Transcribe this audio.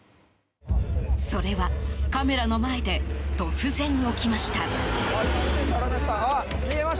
それは、カメラの前で突然起きました。